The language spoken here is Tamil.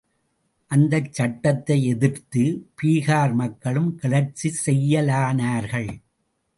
அந்தச் சட்டத்தை எதிர்த்து பீகார் மக்களும் கிளர்ச்சி செய்யலானார்கள்.